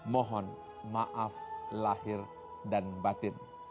mohon maaf lahir dan batin